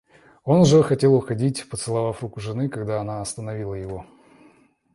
Он уже хотел уходить, поцеловав руку жены, когда она остановила его.